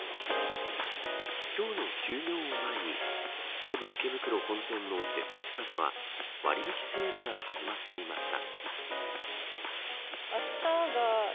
今日の休業を前に西武池袋本店のデパ地下では割引セールが始まっていました。